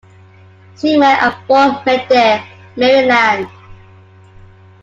Seaman at Fort Meade, Maryland.